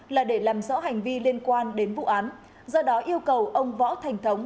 là để làm rõ hành vi liên quan đến vụ án do đó yêu cầu ông võ thành thống